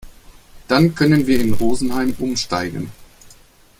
Dann können wir in Rosenheim umsteigen.